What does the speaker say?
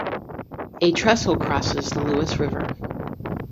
A trestle crosses the Lewis River.